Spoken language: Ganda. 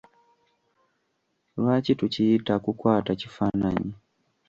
Lwaki tukiyita: Kukwata kifaananyi?